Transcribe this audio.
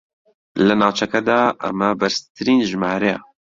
لە ناوچەکەدا ئەمە بەرزترین ژمارەیە